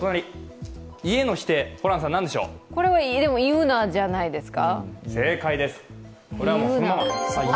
これは「ゆうな」じゃないですか？